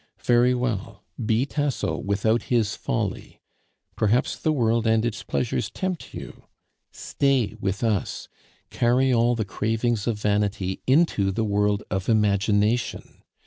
Very well, be Tasso without his folly. Perhaps the world and its pleasures tempt you? Stay with us. Carry all the cravings of vanity into the world of imagination.